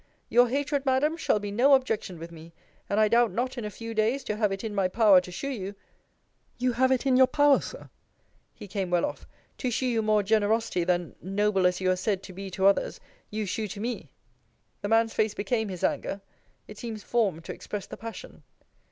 Your hatred, Madam, shall be no objection with me: and I doubt not in a few days to have it in my power to shew you You have it in your power, Sir He came well off To shew you more generosity than, noble as you are said to be to others, you shew to me. The man's face became his anger: it seems formed to express the passion.